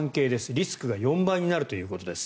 リスクが４倍になるということです。